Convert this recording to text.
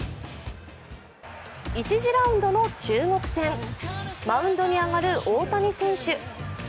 １次ラウンドの中国戦マウンドに上がる大谷選手。